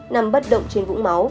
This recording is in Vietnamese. nằm bất động trên vũng máu